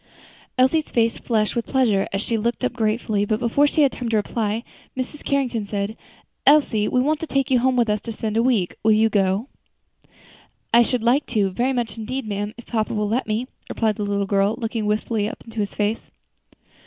Elsie's face flushed with pleasure, and she looked up gratefully; but before she had time to reply, Mrs. Carrington said, "Elsie, we want to take you home with us to spend a week; will you go?" "I should like to, very much, indeed, ma'am, if papa will let me," replied the little girl, looking wistfully up into his face.